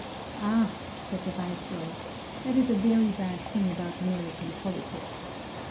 "Ah," said the viceroy, "that is a very bad thing about American politics."